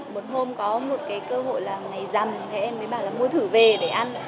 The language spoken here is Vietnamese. một hôm có một cái cơ hội là ngày rằm thì em mới bảo là mua thử về để ăn